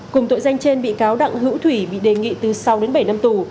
cùng tội danh trên bị cáo đặng hữu thủy bị đề nghị từ sáu đến bảy năm tù